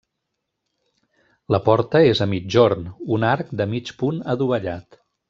La porta és a migjorn, un arc de mig punt adovellat.